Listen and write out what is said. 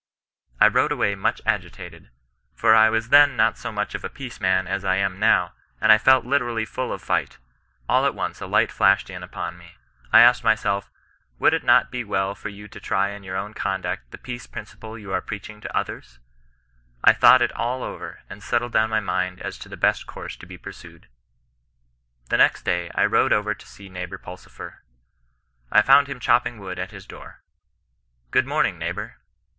" I rode away much agitated, for I was then not so much of a peace man as I am now, and I felt literally full of fight. All at once a light flashed in upon me. I asked myself, would it not be well for you to try in your own conduct the peace principle you are preaching to others 1 J thought it all oyer, and settled down my mind as to the best course to be pursued. " The next day I rode over to see neighbour Pulsifer. I found him chopping wood at his door. Good morning, neighbour.